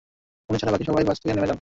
উনি ছাড়া বাকি সবাই বাস থেকে নেমে যান!